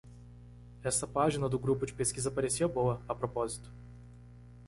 Essa página do grupo de pesquisa parecia boa, a propósito.